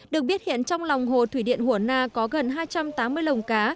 được biết hiện trong lòng hồ thủy điện hùa na có gần hai trăm tám mươi lồng cá